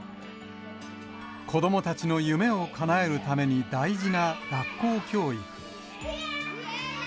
子どもたちの夢をかなえるために大事な学校教育。